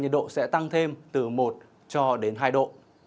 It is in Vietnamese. nhiệt độ sẽ tăng thêm từ một cho đến hai độ